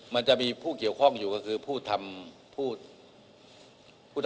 มันจะมีผู้เกี่ยวข้องอยู่ก็คือผู้ทำพูด